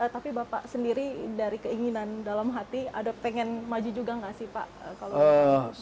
tapi bapak sendiri dari keinginan dalam hati ada pengen maju juga nggak sih pak